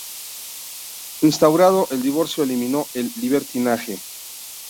Instaurando el divorcio eliminó el libertinaje.